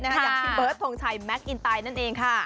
อย่างพี่เบิร์ดทงชัยแมคอินไตนั่นเองค่ะ